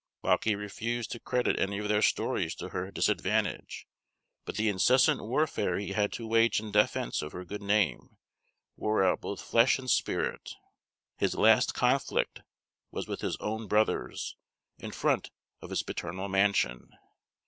Lauckie refused to credit any of their stories to her disadvantage; but the incessant warfare he had to wage in defence of her good name, wore out both flesh and spirit. His last conflict was with his own brothers, in front of his paternal mansion.